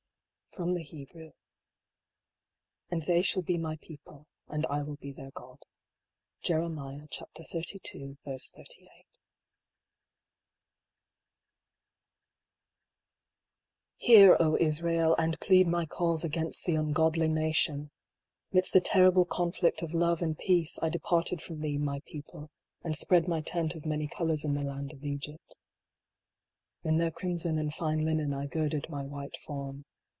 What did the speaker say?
{From the Hebrew.) " And they shall be my people, and I will be their God." JKRKMIAH xxxii. 38. TJTEAR, O Israel! and plead my cause against the ungodly nation ! Midst the terrible conflict of Love and Peace, I de parted from thee, my people, and spread my tent of many colors in the land of Egypt In their crimson and fine linen I girded my white form.